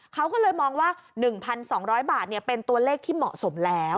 เขาก็เลยมองว่า๑๒๐๐บาทเป็นตัวเลขที่เหมาะสมแล้ว